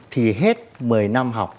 thì hết một mươi năm học